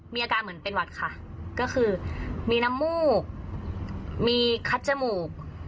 มีอาการเหมือนเป็นหวัดค่ะก็คือมีน้ำมูกมีคัดจมูก